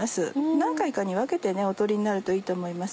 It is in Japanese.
何回かに分けてお取りになるといいと思います。